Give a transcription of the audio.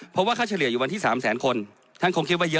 เพราะว่าค่าเฉลี่ยอยู่วันที่๓แสนคนท่านคงคิดว่าเยอะ